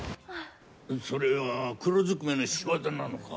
それは、黒ずくめの仕業なのか？